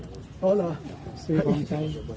อ๋อเหรอ